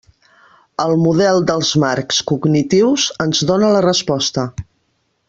El model dels marcs cognitius ens dóna la resposta.